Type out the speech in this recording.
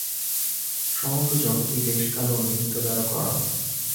সমগ্র জগৎই দেশ কাল ও নিমিত্ত দ্বারা গড়া।